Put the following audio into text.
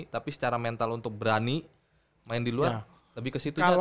tapi secara mental untuk berani main di luar lebih ke situ juga